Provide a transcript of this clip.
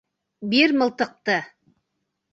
Бир мылтыҡты!